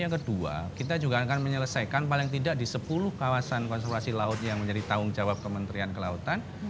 yang kedua kita juga akan menyelesaikan paling tidak di sepuluh kawasan konservasi laut yang menjadi tanggung jawab kementerian kelautan